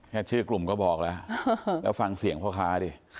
แค่ชื่อกลุ่มก็บอกแล้วแล้วฟังเสียงพ่อค้าดิ